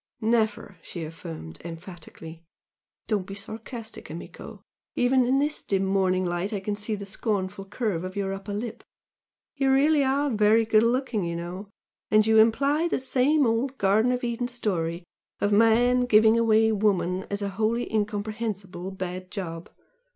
"Never!" she affirmed, emphatically "Don't be sarcastic, amico! even in this dim morning light I can see the scornful curve of your upper lip! you are really very good looking, you know! and you imply the same old Garden of Eden story of man giving away woman as a wholly incomprehensible bad job!